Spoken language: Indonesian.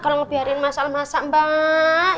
kalau ngebiarin masal masak mbak